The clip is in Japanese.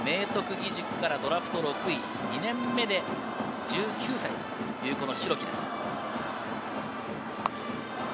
義塾からドラフト６位、２年目で１９歳という代木です。